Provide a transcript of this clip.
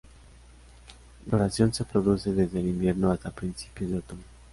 La floración se produce desde el invierno hasta principios de otoño.